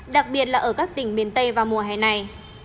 đặc biệt là ở các tỉnh miền tây vào mùa hè này